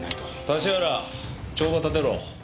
立原帳場立てろ。